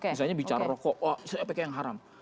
misalnya bicara rokok saya pakai yang haram